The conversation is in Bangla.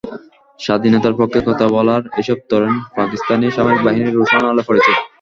স্বাধীনতার পক্ষে কথা বলায় এসব তরুণ পাকিস্তানি সামরিক বাহিনীর রোষানলে পড়েছে।